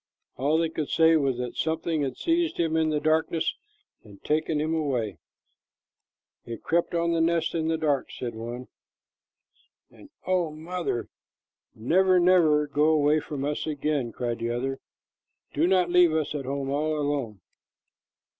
All they could say was that something had seized him in the darkness and taken him away. "It crept up to the nest in the dark," said one. "And oh, mother, never, never go away from us again!" cried another. "Do not leave us at home all alone."